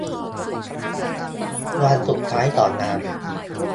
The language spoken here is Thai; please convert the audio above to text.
วันสุดท้ายของงาน